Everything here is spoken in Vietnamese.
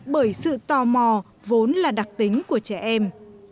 bởi sự tò mò vốn là đặc tính của trẻ em